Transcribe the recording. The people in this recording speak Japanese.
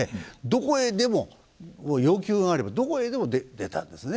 要求があればどこへでも出たんですね。